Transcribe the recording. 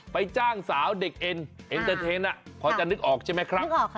จ้างสาวเด็กเอ็นเอ็นเตอร์เทนพอจะนึกออกใช่ไหมครับ